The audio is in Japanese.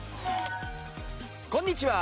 こんにちは。